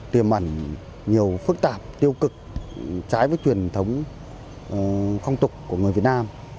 tiềm mẩn nhiều phức tạp tiêu cực trái với truyền thống không tục của người việt nam